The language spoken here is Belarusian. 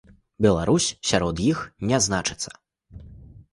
Беларусь сярод іх не значыцца.